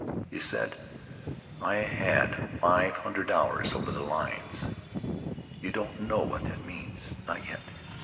He said: "I've had five hundred hours over the lines. You don't know what that means, not yet.